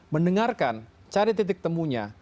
mendengarkan cari titik temunya